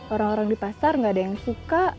orang orang di pasar gak ada yang suka